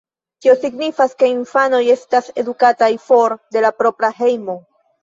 Tio signifas, ke infanoj estas edukataj for de la propra hejmo.